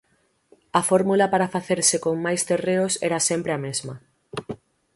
A fórmula para facerse con máis terreos era sempre a mesma.